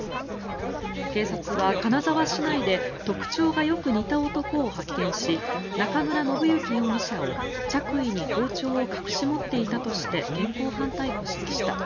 警察は金沢市内で特徴がよく似た男を発見し中村信之容疑者を、着衣に包丁を隠し持っていたとして現行犯逮捕しました。